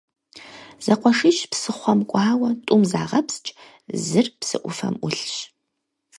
Зэкъуэшищ псыхъуэм кӀуауэ, тӀум загъэпскӀ, зыр псы Ӏуфэм Ӏулъщ.